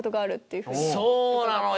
そうなのよ！